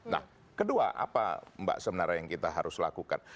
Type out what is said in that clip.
nah kedua apa mbak sebenarnya yang kita harus lakukan